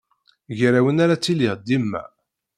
Gar-awen ara ttiliɣ dima.